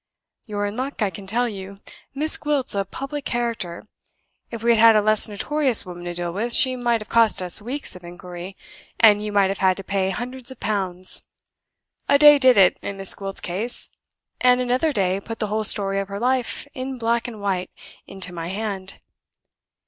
You're in luck, I can tell you. Miss Gwilt's a public character. If we had had a less notorious woman to deal with, she might have cost us weeks of inquiry, and you might have had to pay hundreds of pounds. A day did it in Miss Gwilt's case; and another day put the whole story of her life, in black and white, into my hand.